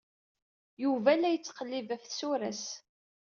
Yuba la yettqellib ɣef tsura-s.